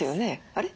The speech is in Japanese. あれ？